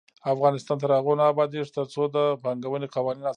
افغانستان تر هغو نه ابادیږي، ترڅو د پانګونې قوانین اسانه نشي.